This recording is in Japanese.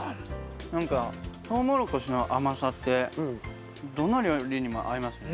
なんかとうもろこしの甘さってどの料理にも合いますね。